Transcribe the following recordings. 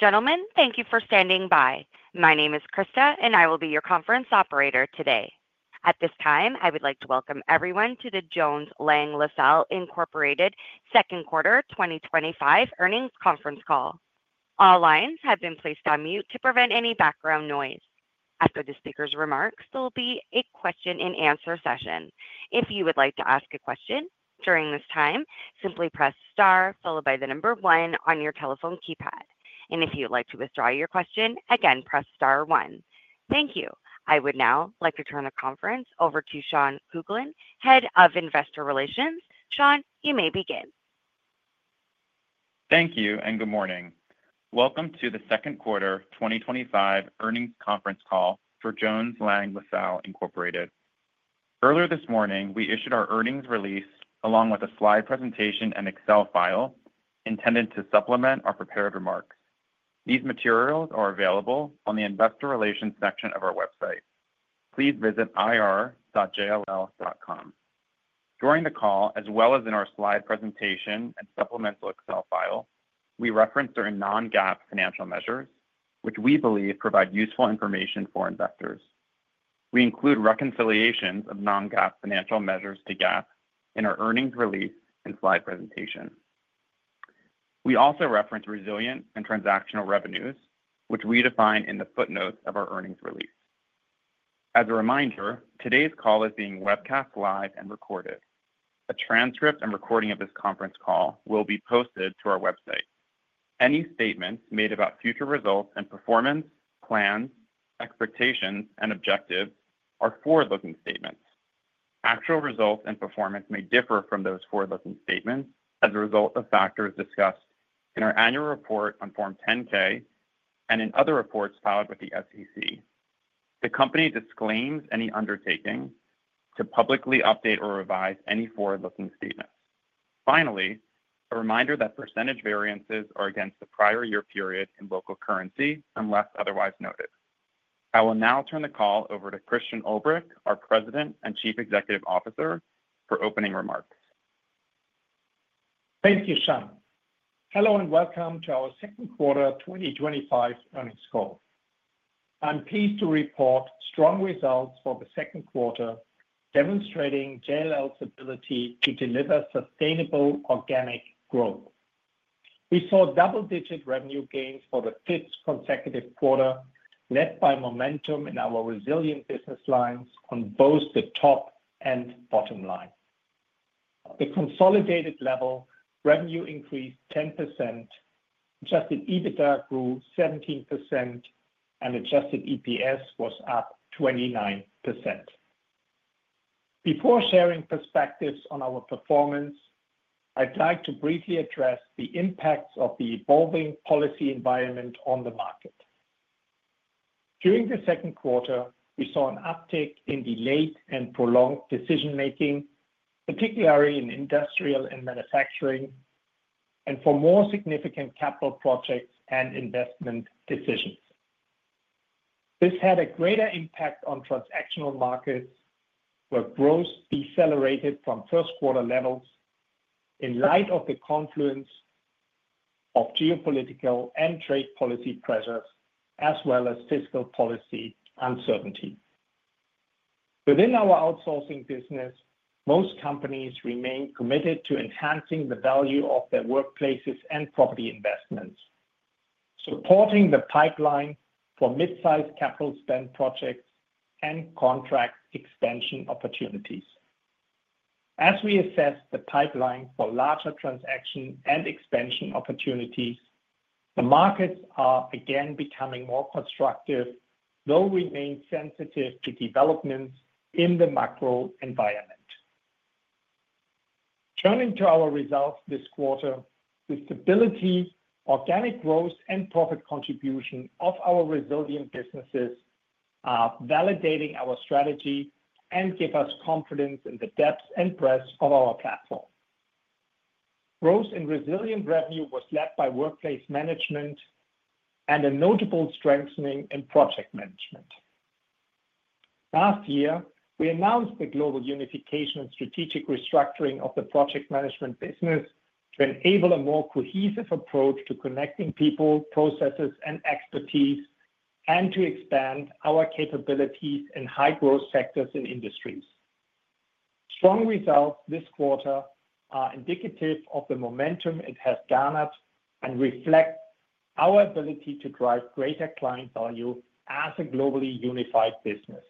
Gentlemen, thank you for standing by. My name is Krista, and I will be your conference operator today. At this time, I would like to welcome everyone to the Jones Lang LaSalle Incorporated second quarter 2025 earnings conference call. All lines have been placed on mute to prevent any background noise. After the speaker's remarks, there will be a question and answer session. If you would like to ask a question during this time, simply press star followed by the number one on your telephone keypad. If you would like to withdraw your question, again, press star one. Thank you. I would now like to turn the conference over to Sean Coghlan, Head of Investor Relations. Sean, you may begin. Thank you and good morning. Welcome to the second quarter 2025 earnings conference call for Jones Lang LaSalle Incorporated. Earlier this morning, we issued our earnings release along with a slide presentation and Excel file intended to supplement our prepared remarks. These materials are available on the Investor Relations section of our website. Please visit ir.jll.com. During the call, as well as in our slide presentation and supplemental Excel file, we referenced certain non-GAAP financial measures, which we believe provide useful information for investors. We include reconciliations of non-GAAP financial measures to GAAP in our earnings release and slide presentation. We also referenced resilient and transactional revenues, which we define in the footnotes of our earnings release. As a reminder, today's call is being webcast live and recorded. A transcript and recording of this conference call will be posted to our website. Any statements made about future results and performance, plans, expectations, and objectives are forward-looking statements. Actual results and performance may differ from those forward-looking statements as a result of factors discussed in our annual report on Form 10-K and in other reports filed with the SEC. The company disclaims any undertaking to publicly update or revise any forward-looking statements. Finally, a reminder that percentage variances are against the prior year period in local currency unless otherwise noted. I will now turn the call over to Christian Ulbrich, our President and Chief Executive Officer, for opening remarks. Thank you, Sean. Hello and welcome to our second quarter 2025 earnings call. I'm pleased to report strong results for the second quarter, demonstrating JLL's ability to deliver sustainable organic growth. We saw double-digit revenue gains for the fifth consecutive quarter, led by momentum in our resilient business lines on both the top and bottom line. At the consolidated level, revenue increased 10%, adjusted EBITDA grew 17%, and adjusted EPS was up 29%. Before sharing perspectives on our performance, I'd like to briefly address the impacts of the evolving policy environment on the market. During the second quarter, we saw an uptick in delayed and prolonged decision-making, particularly in industrial and manufacturing, and for more significant capital projects and investment decisions. This had a greater impact on transactional markets, where growth decelerated from first-quarter levels in light of the confluence of geopolitical and trade policy pressures, as well as fiscal policy uncertainty. Within our outsourcing business, most companies remain committed to enhancing the value of their workplaces and property investments, supporting the pipeline for mid-sized capital spend projects and contract expansion opportunities. As we assess the pipeline for larger transaction and expansion opportunities, the markets are again becoming more constructive, though remain sensitive to developments in the macro environment. Turning to our results this quarter, the stability, organic growth, and profit contribution of our resilient businesses are validating our strategy and give us confidence in the depth and breadth of our platform. Growth in resilient revenue was led by workplace management and a notable strengthening in project management. Last year, we announced the global unification and strategic restructuring of the project management business, enabling a more cohesive approach to connecting people, processes, and expertise, and to expand our capabilities in high-growth sectors and industries. Strong results this quarter are indicative of the momentum it has garnered and reflect our ability to drive greater client value as a globally unified business.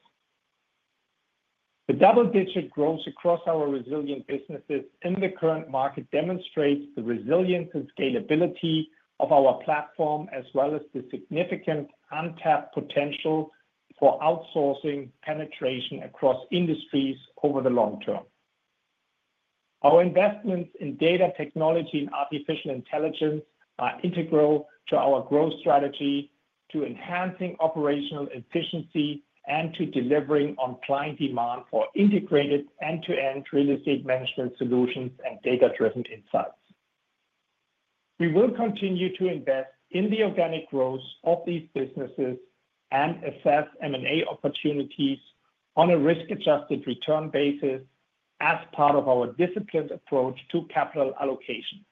The double-digit growth across our resilient businesses in the current market demonstrates the resilience and scalability of our platform, as well as the significant untapped potential for outsourcing penetration across industries over the long term. Our investments in data technology and artificial intelligence are integral to our growth strategy, to enhancing operational efficiency, and to delivering on client demand for integrated end-to-end real estate management solutions and data-driven insights. We will continue to invest in the organic growth of these businesses and assess M&A opportunities on a risk-adjusted return basis as part of our disciplined approach to capital allocation.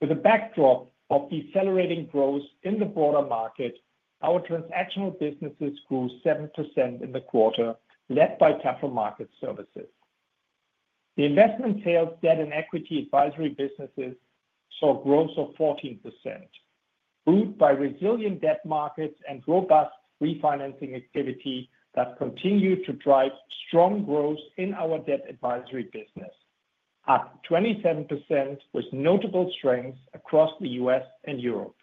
With a backdrop of decelerating growth in the broader market, our transactional businesses grew 7% in the quarter, led by capital markets services. The investment sales, debt, and equity advisory businesses saw growth of 14%, buoyed by resilient debt markets and robust refinancing activity that continued to drive strong growth in our debt advisory business, up 27% with notable strengths across the U.S. and Europe.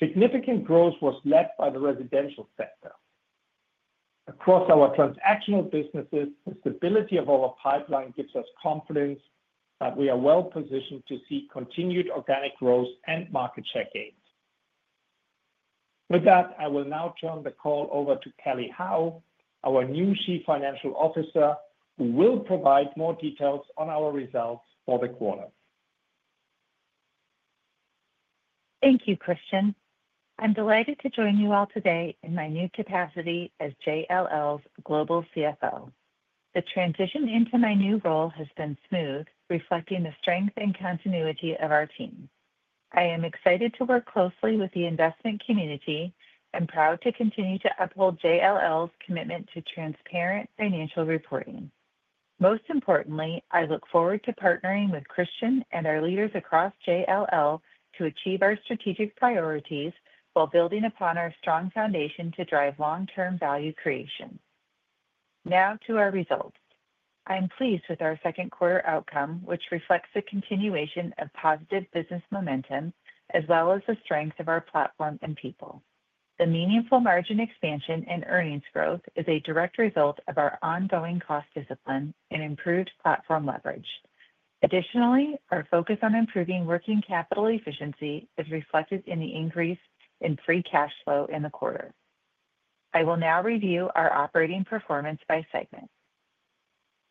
Significant growth was led by the residential sector. Across our transactional businesses, the stability of our pipeline gives us confidence that we are well positioned to see continued organic growth and market shake-ins. With that, I will now turn the call over to Kelly Howe, our new Chief Financial Officer, who will provide more details on our results for the quarter. Thank you, Christian. I'm delighted to join you all today in my new capacity as JLL's Global CFO. The transition into my new role has been smooth, reflecting the strength and continuity of our team. I am excited to work closely with the investment community and proud to continue to uphold JLL's commitment to transparent financial reporting. Most importantly, I look forward to partnering with Christian and our leaders across JLL to achieve our strategic priorities while building upon our strong foundation to drive long-term value creation. Now to our results. I am pleased with our second quarter outcome, which reflects the continuation of positive business momentum, as well as the strength of our platform and people. The meaningful margin expansion and earnings growth is a direct result of our ongoing cost discipline and improved platform leverage. Additionally, our focus on improving working capital efficiency is reflected in the increase in free cash flow in the quarter. I will now review our operating performance by segment.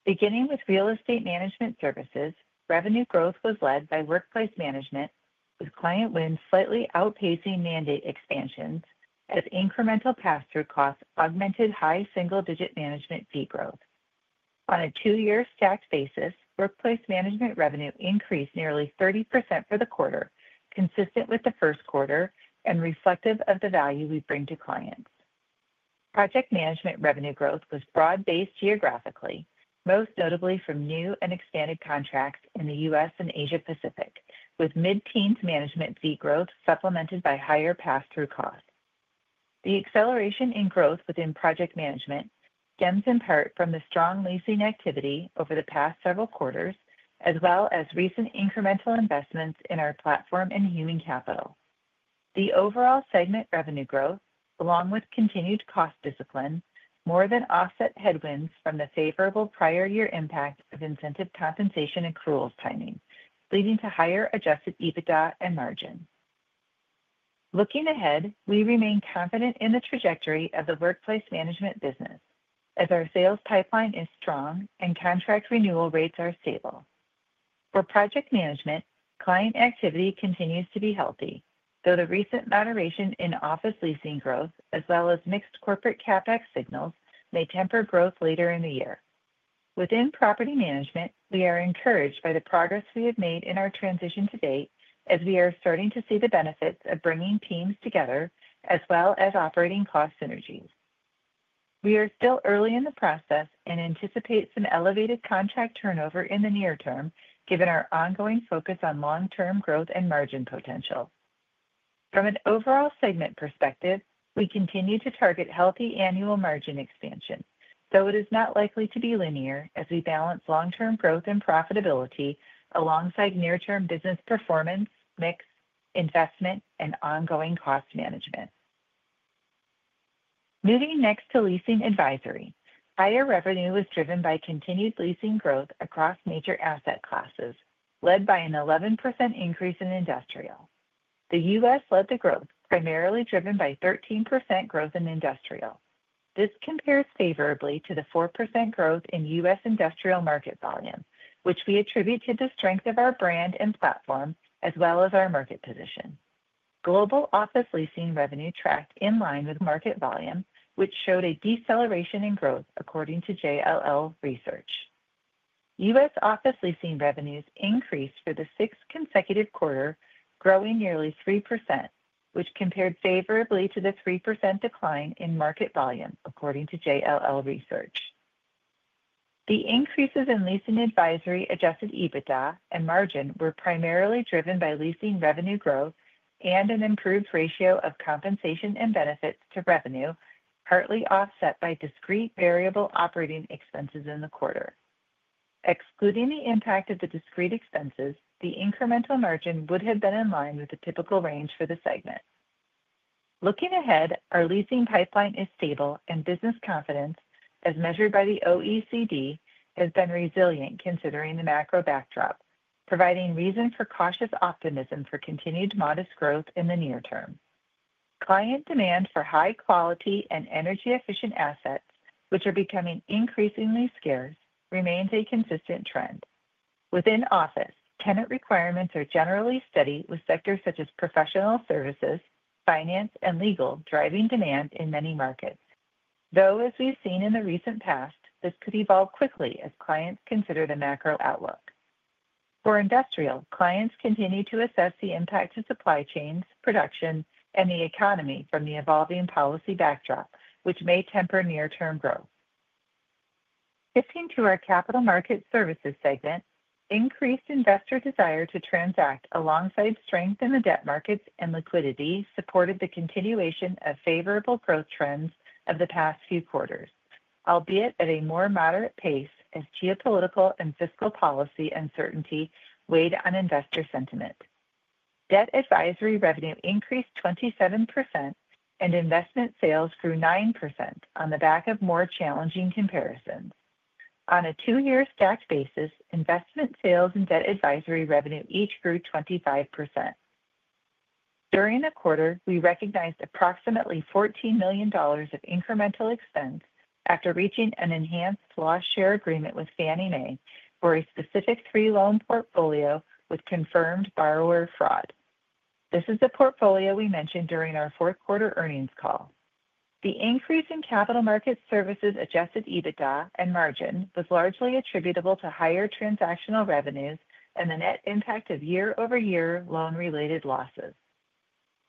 Beginning with real estate management services, revenue growth was led by workplace management, with client wins slightly outpacing mandate expansions, as incremental pass-through costs augmented high single-digit management fee growth. On a two-year stacked basis, workplace management revenue increased nearly 30% for the quarter, consistent with the first quarter and reflective of the value we bring to clients. Project management revenue growth was broad-based geographically, most notably from new and expanded contracts in the U.S. and Asia-Pacific, with mid-teens management fee growth supplemented by higher pass-through costs. The acceleration in growth within project management stems in part from the strong leasing activity over the past several quarters, as well as recent incremental investments in our platform and human capital. The overall segment revenue growth, along with continued cost discipline, more than offset headwinds from the favorable prior year impact of incentive compensation accruals timing, leading to higher adjusted EBITDA and margin. Looking ahead, we remain confident in the trajectory of the workplace management business, as our sales pipeline is strong and contract renewal rates are stable. For project management, client activity continues to be healthy, though the recent moderation in office leasing growth, as well as mixed corporate CapEx signals, may temper growth later in the year. Within property management, we are encouraged by the progress we have made in our transition to date, as we are starting to see the benefits of bringing teams together, as well as operating cost synergies. We are still early in the process and anticipate some elevated contract turnover in the near term, given our ongoing focus on long-term growth and margin potential. From an overall segment perspective, we continue to target healthy annual margin expansion, though it is not likely to be linear as we balance long-term growth and profitability alongside near-term business performance, mix, investment, and ongoing cost management. Moving next to leasing advisory, higher revenue was driven by continued leasing growth across major asset classes, led by an 11% increase in industrial. The U.S. led the growth, primarily driven by 13% growth in industrial. This compares favorably to the 4% growth in U.S. industrial market volume, which we attribute to the strength of our brand and platform, as well as our market position. Global office leasing revenue tracked in line with market volume, which showed a deceleration in growth according to JLL research. U.S. office leasing revenues increased for the sixth consecutive quarter, growing nearly 3%, which compared favorably to the 3% decline in market volume according to JLL research. The increases in leasing advisory adjusted EBITDA and margin were primarily driven by leasing revenue growth and an improved ratio of compensation and benefits to revenue, partly offset by discrete variable operating expenses in the quarter. Excluding the impact of the discrete expenses, the incremental margin would have been in line with the typical range for the segment. Looking ahead, our leasing pipeline is stable and business confidence, as measured by the OECD, has been resilient considering the macro backdrop, providing reason for cautious optimism for continued modest growth in the near term. Client demand for high-quality and energy-efficient assets, which are becoming increasingly scarce, remains a consistent trend. Within office, tenant requirements are generally steady, with sectors such as professional services, finance, and legal driving demand in many markets. Though, as we've seen in the recent past, this could evolve quickly as clients consider the macro outlook. For industrial, clients continue to assess the impact to supply chains, production, and the economy from the evolving policy backdrop, which may temper near-term growth. Shifting to our capital markets services segment, increased investor desire to transact alongside strength in the debt markets and liquidity supported the continuation of favorable growth trends of the past few quarters, albeit at a more moderate pace as geopolitical and fiscal policy uncertainty weighed on investor sentiment. Debt advisory revenue increased 27% and investment sales grew 9% on the back of more challenging comparisons. On a two-year stacked basis, investment sales and debt advisory revenue each grew 25%. During the quarter, we recognized approximately $14 million of incremental expense after reaching an enhanced loss share agreement with Fannie Mae for a specific three-loan portfolio with confirmed borrower fraud. This is the portfolio we mentioned during our fourth quarter earnings call. The increase in capital markets services adjusted EBITDA and margin was largely attributable to higher transactional revenues and the net impact of year-over-year loan-related losses.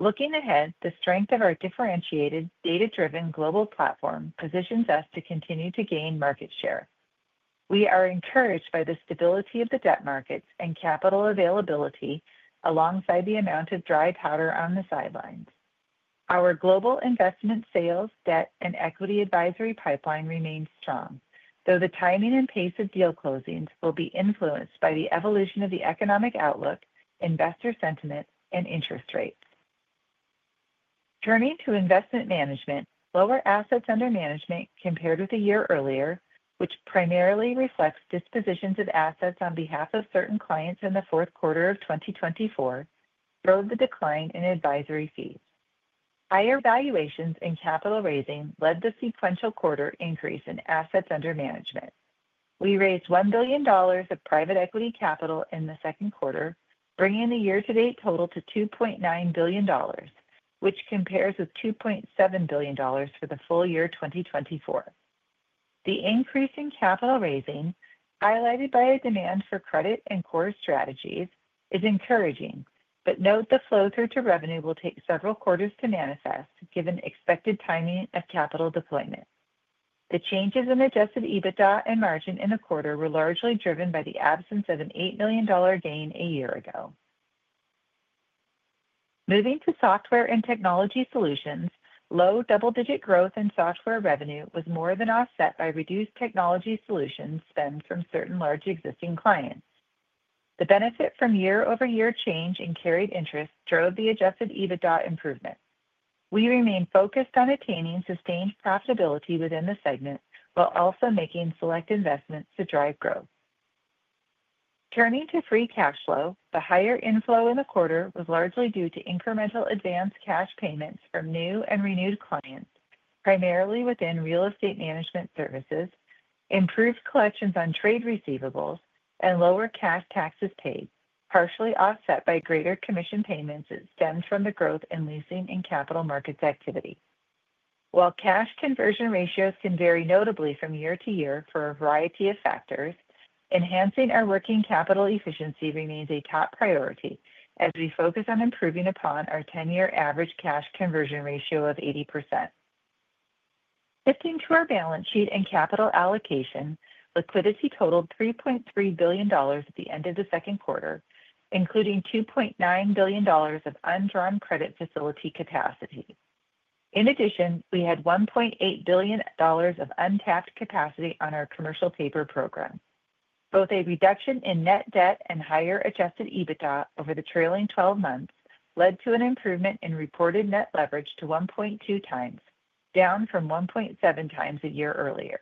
Looking ahead, the strength of our differentiated, data-driven global platform positions us to continue to gain market share. We are encouraged by the stability of the debt markets and capital availability, alongside the amount of dry powder on the sidelines. Our global investment sales, debt, and equity advisory pipeline remains strong, though the timing and pace of deal closings will be influenced by the evolution of the economic outlook, investor sentiment, and interest rates. Turning to investment management, lower assets under management compared with a year earlier, which primarily reflects dispositions of assets on behalf of certain clients in the fourth quarter of 2024, drove the decline in advisory fees. Higher valuations and capital raising led to the sequential quarter increase in assets under management. We raised $1 billion of private equity capital in the second quarter, bringing the year-to-date total to $2.9 billion, which compares with $2.7 billion for the full year 2024. The increase in capital raising, highlighted by a demand for credit and core strategies, is encouraging, but note the flow through to revenue will take several quarters to manifest, given expected timing of capital deployment. The changes in adjusted EBITDA and margin in the quarter were largely driven by the absence of an $8 million gain a year ago. Moving to software and technology solutions, low double-digit growth in software revenue was more than offset by reduced technology solutions spend from certain large existing clients. The benefit from year-over-year change in carried interest drove the adjusted EBITDA improvement. We remain focused on attaining sustained profitability within the segment, while also making select investments to drive growth. Turning to free cash flow, the higher inflow in the quarter was largely due to incremental advanced cash payments from new and renewed clients, primarily within real estate management services, improved collections on trade receivables, and lower cash taxes paid, partially offset by greater commission payments stemmed from the growth in leasing and capital markets activity. While cash conversion ratios can vary notably from year to year for a variety of factors, enhancing our working capital efficiency remains a top priority as we focus on improving upon our 10-year average cash conversion ratio of 80%. Shifting to our balance sheet and capital allocation, liquidity totaled $3.3 billion at the end of the second quarter, including $2.9 billion of undrawn credit facility capacity. In addition, we had $1.8 billion of untapped capacity on our commercial paper program. Both a reduction in net debt and higher adjusted EBITDA over the trailing 12 months led to an improvement in reported net leverage to 1.2 times, down from 1.7 times a year earlier.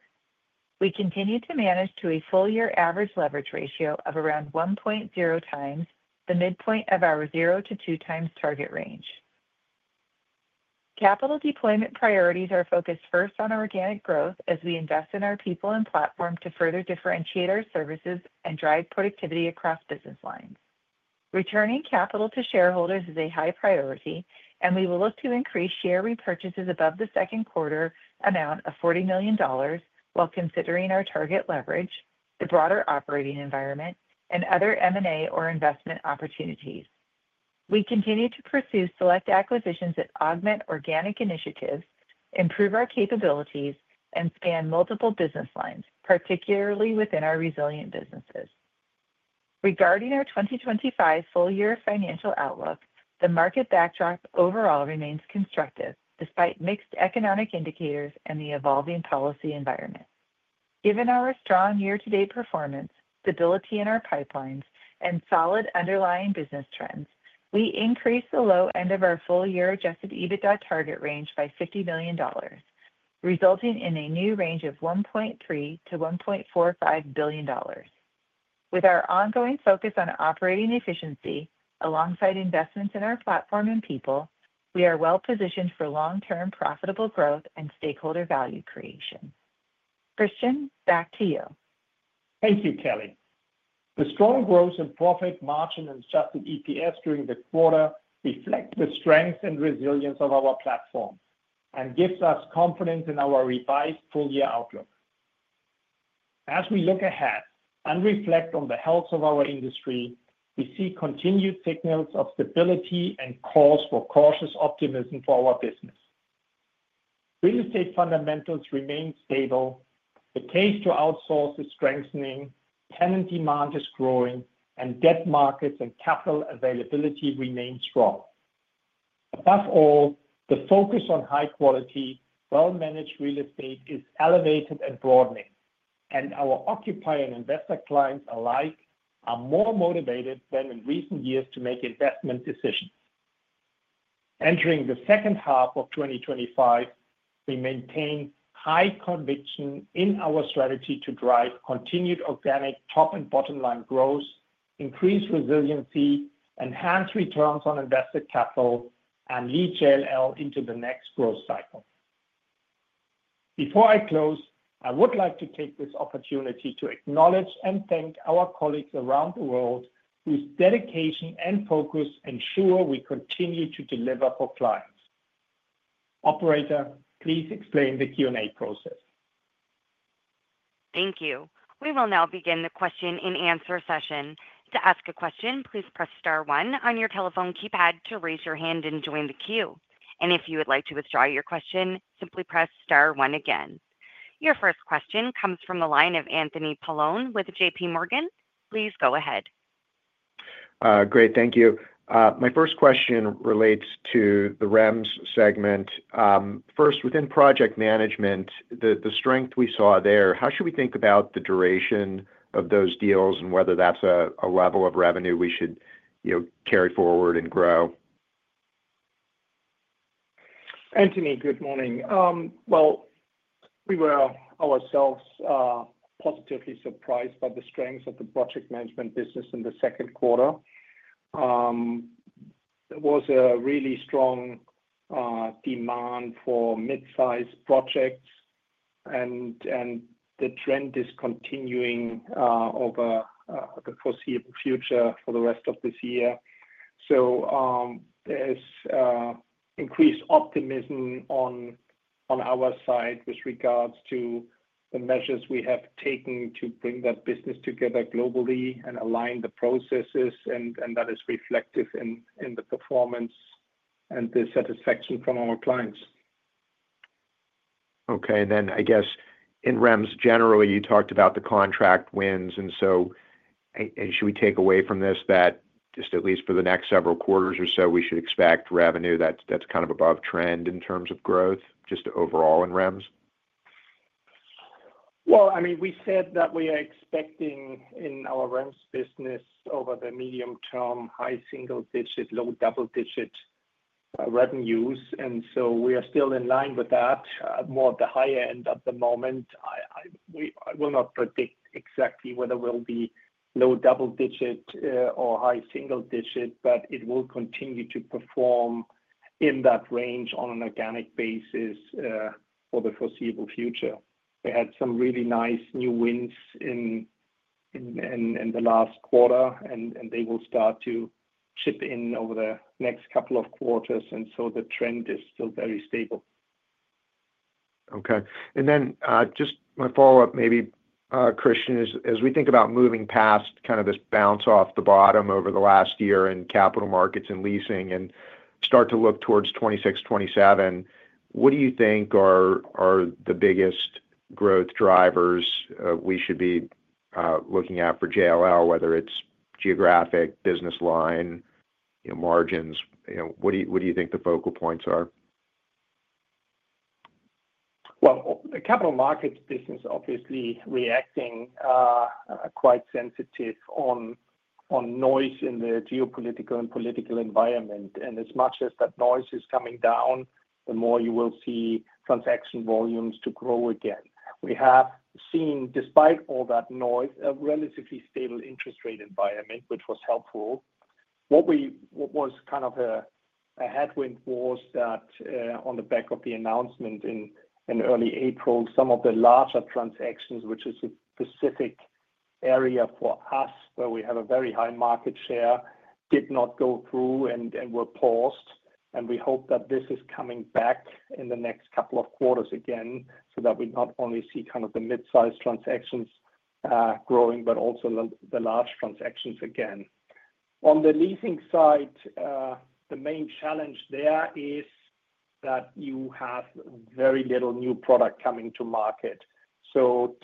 We continue to manage to a full-year average leverage ratio of around 1.0 times, the midpoint of our zero to two times target range. Capital deployment priorities are focused first on organic growth as we invest in our people and platform to further differentiate our services and drive productivity across business lines. Returning capital to shareholders is a high priority, and we will look to increase share repurchases above the second quarter amount of $40 million, while considering our target leverage, the broader operating environment, and other M&A or investment opportunities. We continue to pursue select acquisitions that augment organic initiatives, improve our capabilities, and span multiple business lines, particularly within our resilient businesses. Regarding our 2025 full-year financial outlook, the market backdrop overall remains constructive despite mixed economic indicators and the evolving policy environment. Given our strong year-to-date performance, stability in our pipelines, and solid underlying business trends, we increased the low end of our full-year adjusted EBITDA target range by $50 million, resulting in a new range of $1.3-$1.45 billion. With our ongoing focus on operating efficiency, alongside investments in our platform and people, we are well positioned for long-term profitable growth and stakeholder value creation. Christian, back to you. Thank you, Kelly. The strong growth in profit margin and adjusted EPS during the quarter reflects the strength and resilience of our platform and gives us confidence in our revised full-year outlook. As we look ahead and reflect on the health of our industry, we see continued signals of stability and calls for cautious optimism for our business. Real estate fundamentals remain stable, the case to outsource is strengthening, tenant demand is growing, and debt markets and capital availability remain strong. Above all, the focus on high-quality, well-managed real estate is elevated and broadening, and our occupying and investor clients alike are more motivated than in recent years to make investment decisions. Entering the second half of 2025, we maintain high conviction in our strategy to drive continued organic top and bottom line growth, increase resiliency, enhance returns on invested capital, and lead JLL into the next growth cycle. Before I close, I would like to take this opportunity to acknowledge and thank our colleagues around the world whose dedication and focus ensure we continue to deliver for clients. Operator, please explain the Q&A process. Thank you. We will now begin the question and answer session. To ask a question, please press star one on your telephone keypad to raise your hand and join the queue. If you would like to withdraw your question, simply press star one again. Your first question comes from the line of Anthony Paolone with JPMorgan. Please go ahead. Great, thank you. My first question relates to the REMS segment. First, within project management, the strength we saw there, how should we think about the duration of those deals and whether that's a level of revenue we should carry forward and grow? Anthony, good morning. We were ourselves positively surprised by the strengths of the project management business in the second quarter. There was a really strong demand for mid-sized projects, and the trend is continuing over the foreseeable future for the rest of this year. There is increased optimism on our side with regards to the measures we have taken to bring that business together globally and align the processes, and that is reflective in the performance and the satisfaction from our clients. Okay. In REMS generally, you talked about the contract wins, and should we take away from this that just at least for the next several quarters or so, we should expect revenue that's kind of above trend in terms of growth just overall in REMS? I mean, we said that we are expecting in our REMS business over the medium term, high single digit, low double digit revenues, and we are still in line with that more at the higher end at the moment. I will not predict exactly whether we'll be low double digit or high single digit, but it will continue to perform in that range on an organic basis for the foreseeable future. We had some really nice new wins in the last quarter, and they will start to chip in over the next couple of quarters, and the trend is still very stable. Okay. Just my follow-up maybe, Christian, is as we think about moving past kind of this bounce off the bottom over the last year in capital markets and leasing and start to look towards 2026, 2027, what do you think are the biggest growth drivers we should be looking at for JLL, whether it's geographic, business line, you know, margins? What do you think the focal points are? The capital markets business is obviously reacting quite sensitive on noise in the geopolitical and political environment, and as much as that noise is coming down, the more you will see transaction volumes grow again. We have seen, despite all that noise, a relatively stable interest rate environment, which was helpful. What was kind of a headwind was that on the back of the announcement in early April, some of the larger transactions, which is a specific area for us where we have a very high market share, did not go through and were paused, and we hope that this is coming back in the next couple of quarters again so that we not only see kind of the mid-sized transactions growing, but also the large transactions again. On the leasing side, the main challenge there is that you have very little new product coming to market.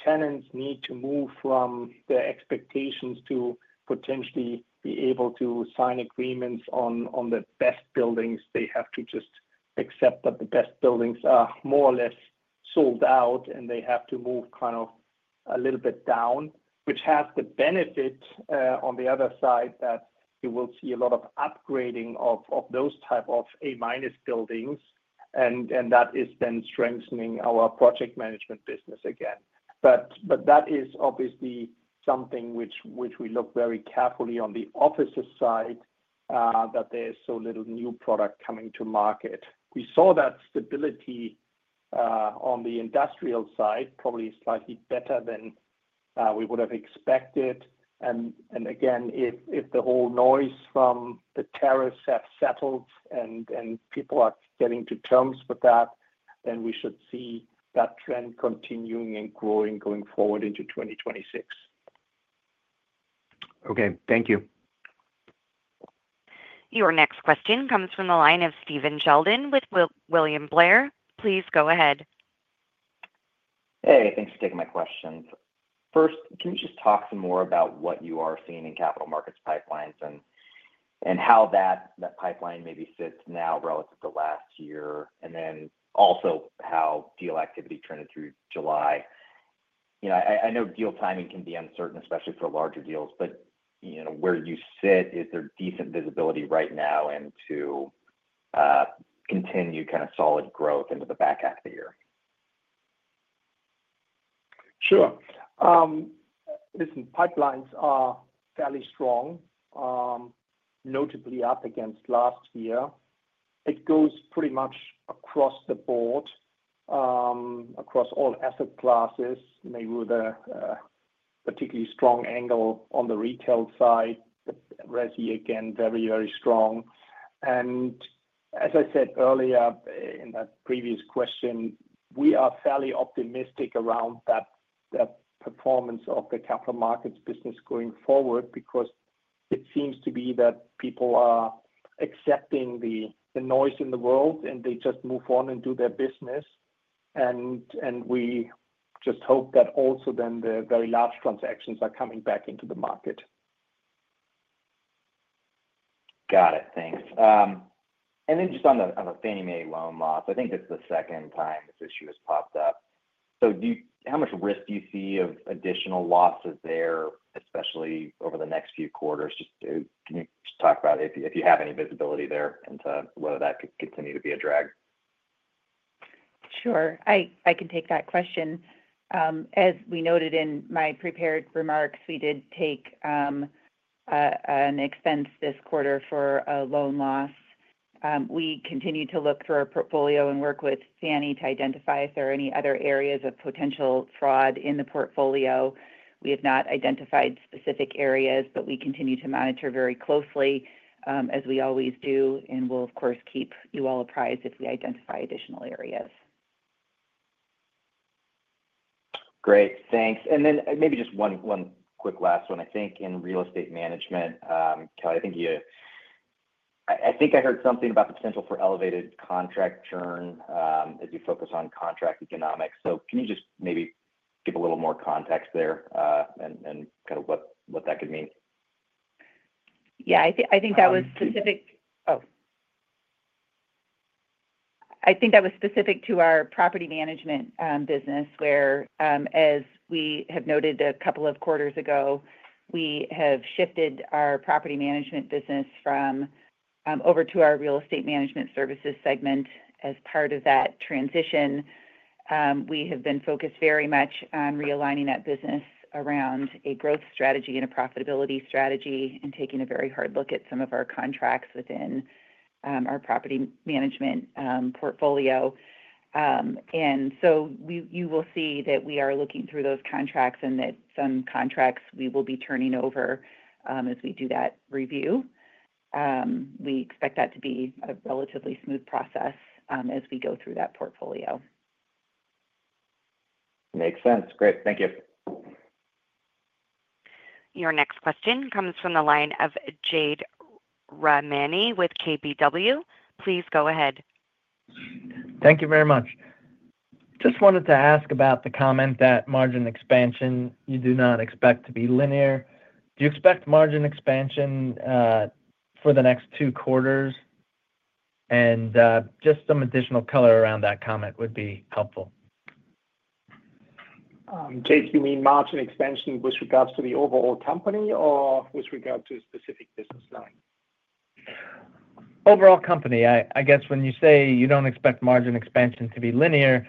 Tenants need to move from their expectations to potentially be able to sign agreements on the best buildings. They have to just accept that the best buildings are more or less sold out, and they have to move kind of a little bit down, which has the benefit on the other side that you will see a lot of upgrading of those type of A- buildings, and that is then strengthening our project management business again. That is obviously something which we look very carefully on the offices side, that there's so little new product coming to market. We saw that stability on the industrial side probably slightly better than we would have expected, and again, if the whole noise from the tariffs has settled and people are getting to terms with that, then we should see that trend continuing and growing going forward into 2026. Okay, thank you. Your next question comes from the line of Stephen Sheldon with William Blair. Please go ahead. Hey, thanks for taking my question. First, can you just talk some more about what you are seeing in capital markets pipelines and how that pipeline maybe sits now relative to last year, and then also how deal activity trended through July? I know deal timing can be uncertain, especially for larger deals, but where you sit, is there decent visibility right now to continue kind of solid growth into the back half of the year? Sure. Listen, pipelines are fairly strong, notably up against last year. It goes pretty much across the board, across all asset classes, maybe with a particularly strong angle on the retail side, but resi, again, very, very strong. As I said earlier in that previous question, we are fairly optimistic around that performance of the capital markets business going forward because it seems to be that people are accepting the noise in the world and they just move on and do their business. We just hope that also then the very large transactions are coming back into the market. Got it. Thanks. Just on the Fannie Mae loan loss, I think this is the second time this issue has popped up. Do you see how much risk of additional losses there, especially over the next few quarters? Can you talk about if you have any visibility there into whether that could continue to be a drag? Sure. I can take that question. As we noted in my prepared remarks, we did take an expense this quarter for a loan loss. We continue to look through our portfolio and work with Fannie Mae to identify if there are any other areas of potential fraud in the portfolio. We have not identified specific areas, but we continue to monitor very closely as we always do, and we'll, of course, keep you all apprised if we identify additional areas. Great. Thanks. Maybe just one quick last one. I think in real estate management, Kelly, I think I heard something about the potential for elevated contract churn as you focus on contract economics. Can you just maybe give a little more context there and kind of what that could mean? I think that was specific to our property management business where, as we have noted a couple of quarters ago, we have shifted our property management business over to our real estate management services segment. As part of that transition, we have been focused very much on realigning that business around a growth strategy and a profitability strategy and taking a very hard look at some of our contracts within our property management portfolio. You will see that we are looking through those contracts and that some contracts we will be turning over as we do that review. We expect that to be a relatively smooth process as we go through that portfolio. Makes sense. Great. Thank you. Your next question comes from the line of Jade Rahmani with KBW. Please go ahead. Thank you very much. Just wanted to ask about the comment that margin expansion, you do not expect to be linear. Do you expect margin expansion for the next two quarters? Just some additional color around that comment would be helpful. Jade, do you mean margin expansion with regards to the overall company or with regard to a specific business line? Overall company, I guess when you say you don't expect margin expansion to be linear,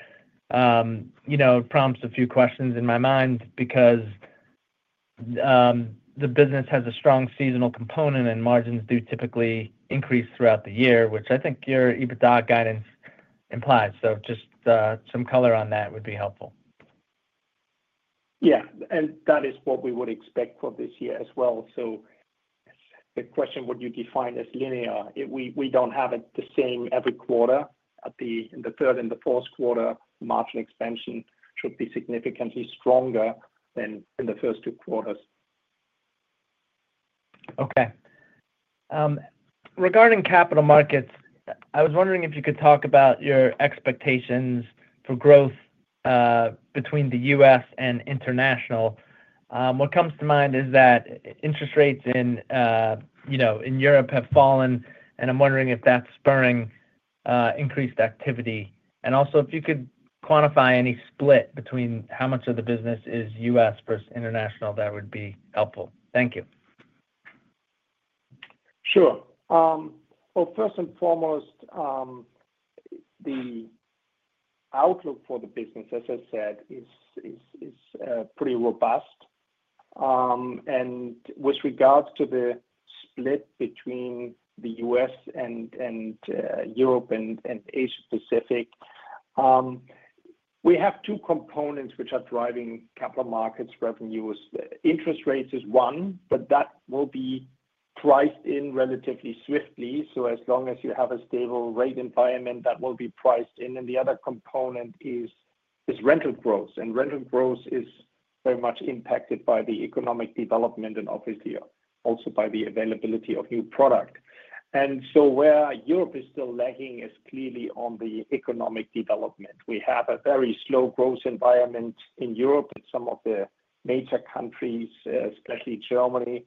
it prompts a few questions in my mind because the business has a strong seasonal component and margins do typically increase throughout the year, which I think your EBITDA guidance implies. Just some color on that would be helpful. Yeah, that is what we would expect for this year as well. The question, would you define as linear? We don't have it the same every quarter. At the third and the fourth quarter, margin expansion should be significantly stronger than in the first two quarters. Okay. Regarding capital markets, I was wondering if you could talk about your expectations for growth between the U.S. and international. What comes to mind is that interest rates in Europe have fallen, and I'm wondering if that's spurring increased activity. If you could quantify any split between how much of the business is U.S. versus international, that would be helpful. Thank you. Sure. First and foremost, the outlook for the business, as I said, is pretty robust. With regards to the split between the U.S. and Europe and Asia-Pacific, we have two components which are driving capital markets revenues. Interest rates is one, but that will be priced in relatively swiftly. As long as you have a stable rate environment, that will be priced in. The other component is rental growth. Rental growth is very much impacted by the economic development and obviously also by the availability of new product. Where Europe is still lagging is clearly on the economic development. We have a very slow growth environment in Europe, and some of the major countries, especially Germany,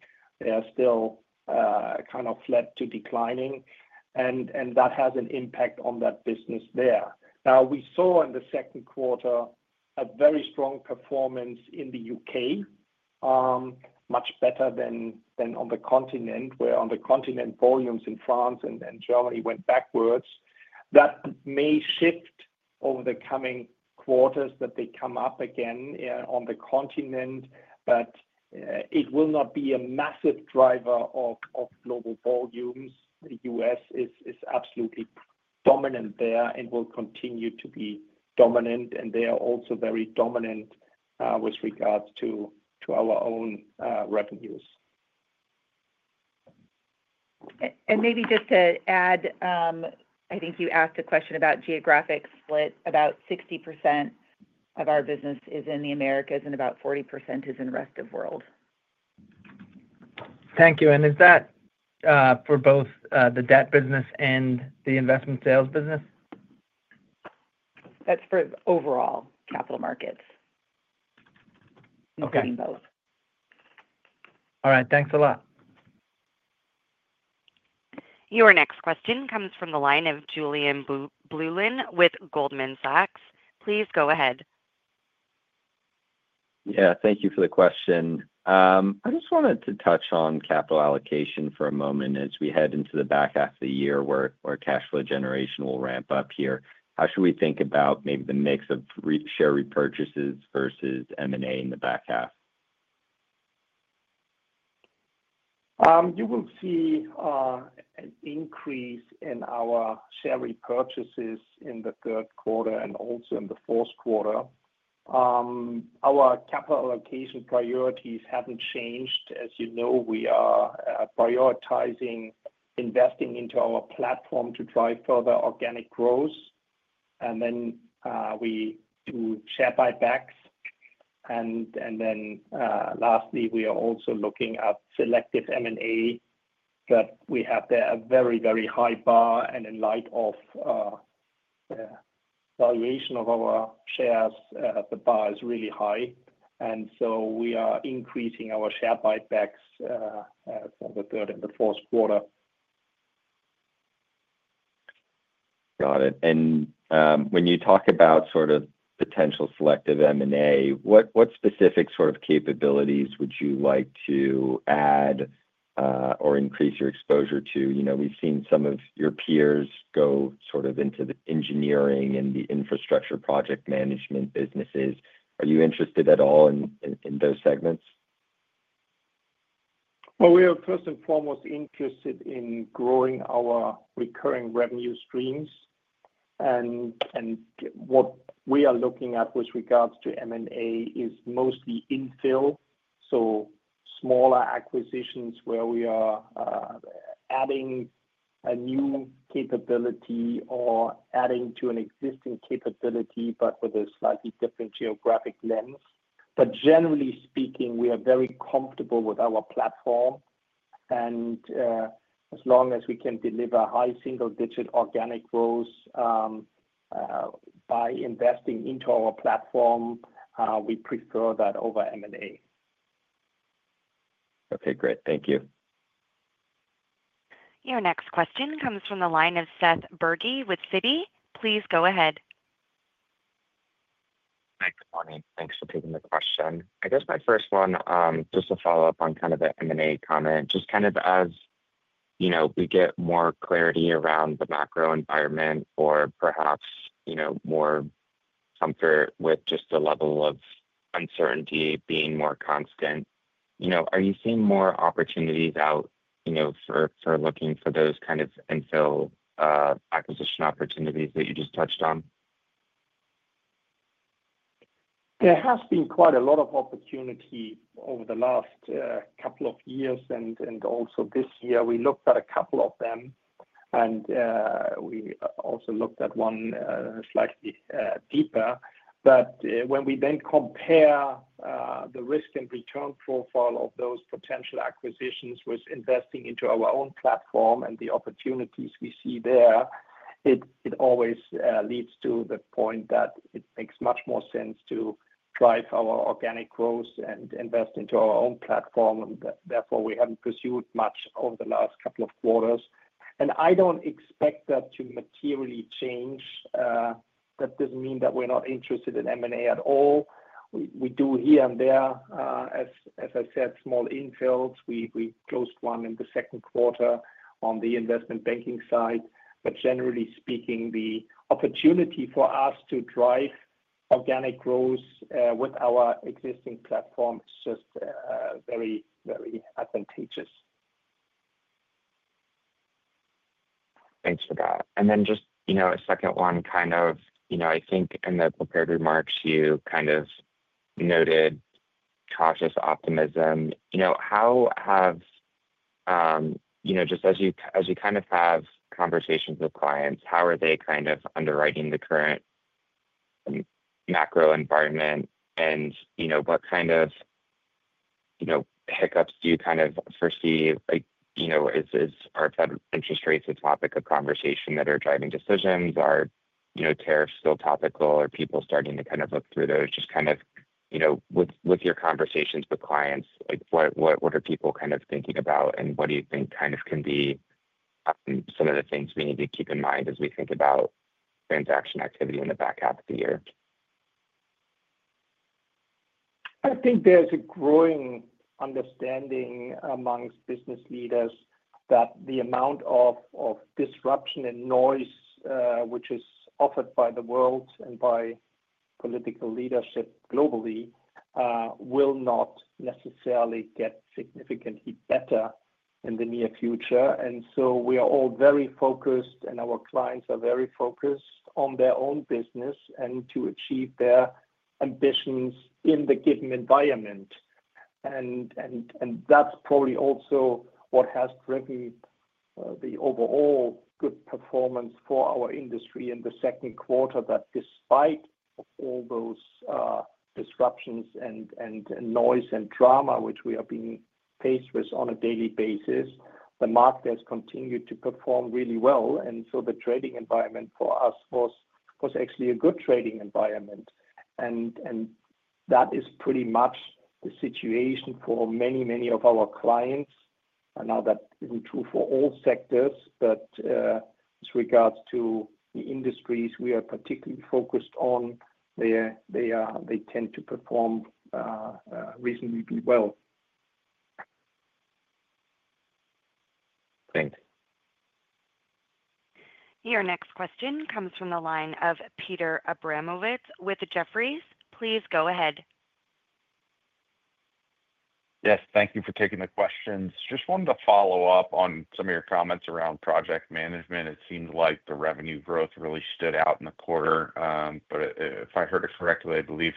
are still kind of flat to declining. That has an impact on that business there. In the second quarter, we saw a very strong performance in the UK, much better than on the continent, where on the continent volumes in France and Germany went backwards. That may shift over the coming quarters as they come up again on the continent, but it will not be a massive driver of global volumes. The U.S. is absolutely dominant there and will continue to be dominant, and they are also very dominant with regards to our own revenues. Maybe just to add, I think you asked a question about geographic split. About 60% of our business is in the Americas, and about 40% is in the rest of the world. Thank you. Is that for both the debt advisory business and the investment sales business? That's for overall capital markets. Okay, between both. All right, thanks a lot. Your next question comes from the line of Julien Blouin with Goldman Sachs. Please go ahead. Thank you for the question. I just wanted to touch on capital allocation for a moment as we head into the back half of the year where cash flow generation will ramp up here. How should we think about maybe the mix of share repurchases versus M&A in the back half? You will see an increase in our share repurchases in the third quarter and also in the fourth quarter. Our capital allocation priorities haven't changed. As you know, we are prioritizing investing into our platform to drive further organic growth. We do share buybacks. Lastly, we are also looking at selective M&A, but we have a very, very high bar. In light of the valuation of our shares, the bar is really high. We are increasing our share buybacks in the third and the fourth quarter. Got it. When you talk about sort of potential selective M&A, what specific sort of capabilities would you like to add or increase your exposure to? We've seen some of your peers go sort of into the engineering and the infrastructure project management businesses. Are you interested at all in those segments? We are first and foremost interested in growing our recurring revenue streams. What we are looking at with regards to M&A is mostly infill, so smaller acquisitions where we are adding a new capability or adding to an existing capability, but with a slightly different geographic lens. Generally speaking, we are very comfortable with our platform. As long as we can deliver high single-digit organic growth by investing into our platform, we prefer that over M&A. Okay. Great. Thank you. Your next question comes from the line of Seth Bergey with Citi, please go ahead. Hi, good morning. Thanks for taking the question. My first one, just to follow up on the M&A comment, as we get more clarity around the macro environment or perhaps more comfort with the level of uncertainty being more constant, are you seeing more opportunities out for looking for those kind of infill acquisition opportunities that you just touched on? There has been quite a lot of opportunity over the last couple of years, and also this year, we looked at a couple of them. We also looked at one slightly deeper. When we then compare the risk and return profile of those potential acquisitions with investing into our own platform and the opportunities we see there, it always leads to the point that it makes much more sense to drive our organic growth and invest into our own platform. Therefore, we haven't pursued much over the last couple of quarters. I don't expect that to materially change. That doesn't mean that we're not interested in M&A at all. We do here and there, as I said, small infills. We closed one in the second quarter on the investment banking side. Generally speaking, the opportunity for us to drive organic growth with our existing platform is just very, very advantageous. Thanks for that. Just a second one, I think in the prepared remarks, you noted cautious optimism. How have you, just as you have conversations with clients, how are they underwriting the current macro environment? What kind of hiccups do you foresee? Are interest rates a topic of conversation that are driving decisions? Are tariffs still topical? Are people starting to look through those? With your conversations with clients, what are people thinking about? What do you think can be some of the things we need to keep in mind as we think about transaction activity in the back half of the year? I think there's a growing understanding amongst business leaders that the amount of disruption and noise, which is offered by the world and by political leadership globally, will not necessarily get significantly better in the near future. We are all very focused, and our clients are very focused on their own business and to achieve their ambitions in the given environment. That's probably also what has driven the overall good performance for our industry in the second quarter, that despite all those disruptions and noise and drama which we are being faced with on a daily basis, the market has continued to perform really well. The trading environment for us was actually a good trading environment. That is pretty much the situation for many, many of our clients. Now that isn't true for all sectors, but with regards to the industries we are particularly focused on, they tend to perform reasonably well. Thank you. Your next question comes from the line of Peter Abramowitz with Jefferies, please go ahead. Yes. Thank you for taking the questions. Just wanted to follow up on some of your comments around project management. It seems like the revenue growth really stood out in the quarter. If I heard it correctly, I believe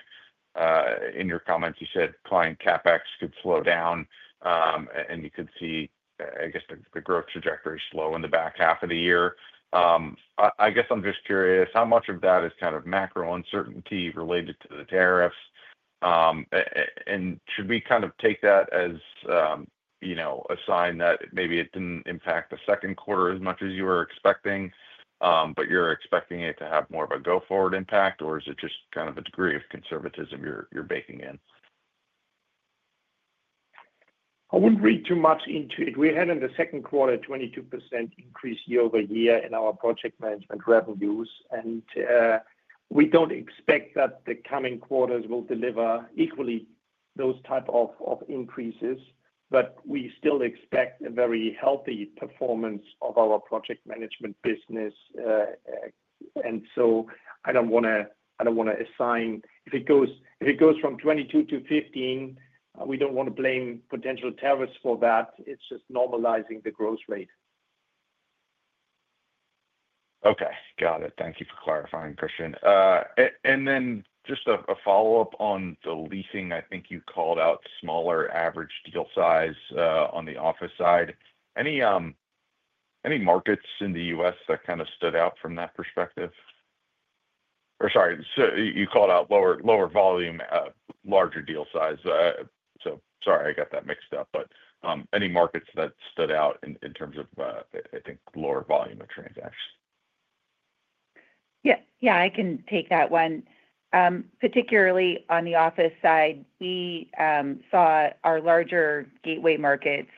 in your comments, you said client CapEx could slow down, and you could see the growth trajectory slow in the back half of the year. I'm just curious, how much of that is kind of macro uncertainty related to the tariffs? Should we take that as a sign that maybe it didn't impact the second quarter as much as you were expecting, but you're expecting it to have more of a go-forward impact, or is it just kind of a degree of conservatism you're baking in? I wouldn't read too much into it. We had in the second quarter a 22% increase year-over-year in our project management revenues. We don't expect that the coming quarters will deliver equally those types of increases, but we still expect a very healthy performance of our project management business. I don't want to assign if it goes from 22 to 15, we don't want to blame potential tariffs for that. It's just normalizing the growth rate. Okay. Got it. Thank you for clarifying, Christian. Just a follow-up on the leasing. I think you called out smaller average deal size on the office side. Any markets in the U.S. that kind of stood out from that perspective? Sorry, you called out lower volume, larger deal size. Sorry, I got that mixed up. Any markets that stood out in terms of, I think, lower volume of transactions? Yeah, I can take that one. Particularly on the office side, we saw our larger gateway markets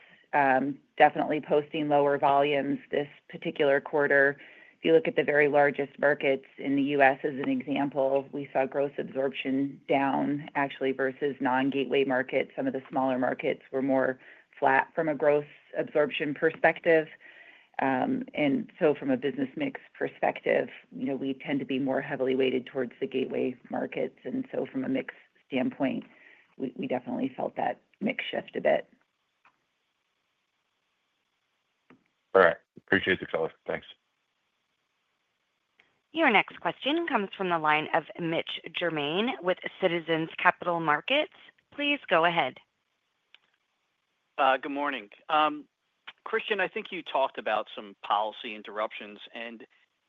definitely posting lower volumes this particular quarter. If you look at the very largest markets in the U.S. as an example, we saw gross absorption down, actually, versus non-gateway markets. Some of the smaller markets were more flat from a gross absorption perspective. From a business mix perspective, you know we tend to be more heavily weighted towards the gateway markets. From a mix standpoint, we definitely felt that mix shift a bit. All right. Appreciate the color. Thanks. Your next question comes from the line of Mitch Germain with Citizens Capital Markets. Please go ahead. Good morning. Christian, I think you talked about some policy interruptions.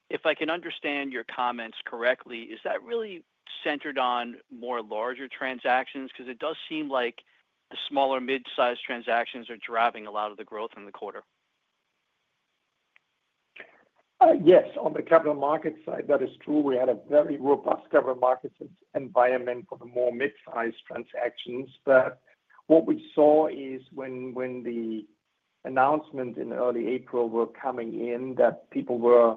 If I can understand your comments correctly, is that really centered on more larger transactions? It does seem like the smaller mid-sized transactions are driving a lot of the growth in the quarter. Yes. On the capital markets side, that is true. We had a very robust capital markets environment for the more mid-sized transactions. What we saw is when the announcements in early April were coming in that people were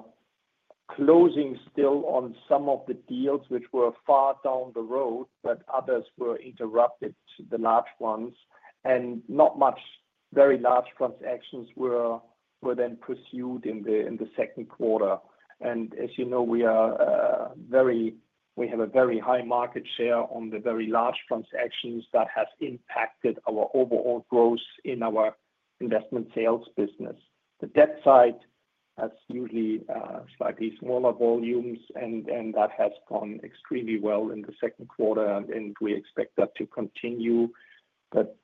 closing still on some of the deals, which were far down the road, others were interrupted, the large ones. Not much very large transactions were then pursued in the second quarter. As you know, we have a very high market share on the very large transactions that have impacted our overall growth in our investment sales business. The debt side, that's usually slightly smaller volumes, and that has gone extremely well in the second quarter, and we expect that to continue.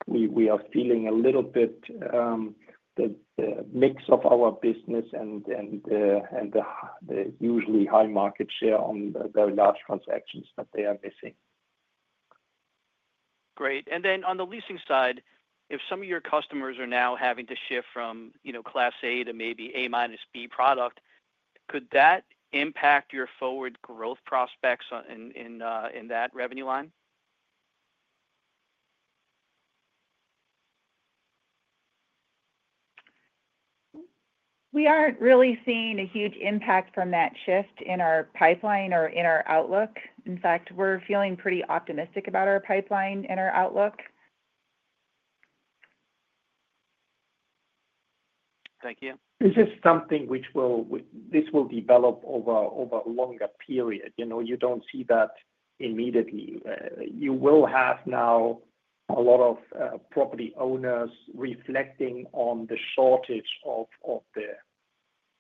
We are feeling a little bit the mix of our business and the usually high market share on the very large transactions that they are missing. Great. On the leasing side, if some of your customers are now having to shift from, you know, Class A to maybe A-B product, could that impact your forward growth prospects in that revenue line? We aren't really seeing a huge impact from that shift in our pipeline or in our outlook. In fact, we're feeling pretty optimistic about our pipeline and our outlook. Thank you. It's just something which will develop over a longer period. You know, you don't see that immediately. You will have now a lot of property owners reflecting on the shortage of the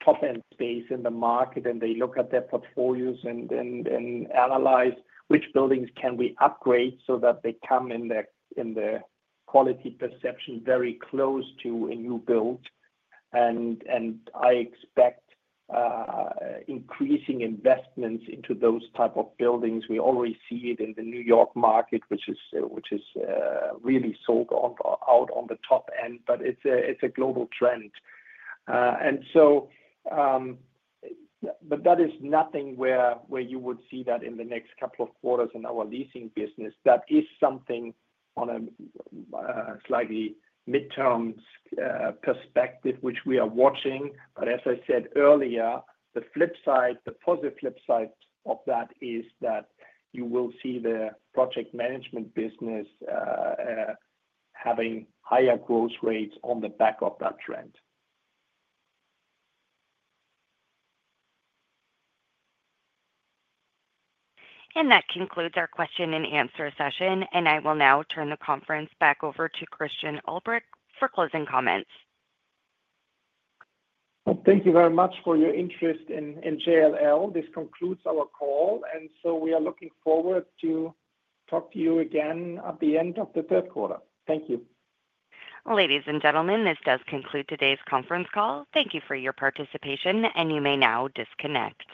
top-end space in the market, and they look at their portfolios and analyze which buildings can we upgrade so that they come in the quality perception very close to a new build. I expect increasing investments into those types of buildings. We already see it in the New York market, which is really sold out on the top end, but it's a global trend. That is nothing where you would see that in the next couple of quarters in our leasing business. That is something on a slightly mid-term perspective, which we are watching. As I said earlier, the positive flip side of that is that you will see the project management business having higher growth rates on the back of that trend. That concludes our question and answer session. I will now turn the conference back over to Christian Ulbrich for closing comments. Thank you very much for your interest in JLL. This concludes our call. We are looking forward to talking to you again at the end of the third quarter. Thank you. Ladies and gentlemen, this does conclude today's conference call. Thank you for your participation, and you may now disconnect.